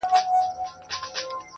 ښاا ځې نو.